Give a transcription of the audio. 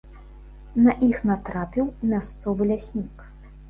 На іх натрапіў мясцовы ляснік.